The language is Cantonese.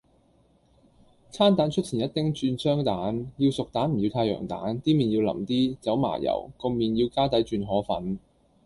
餐蛋出前一丁轉雙蛋，要熟蛋唔要太陽蛋，啲麵要淋啲，走麻油，個麵要加底轉河粉